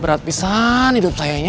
berat pisan hidup saya nya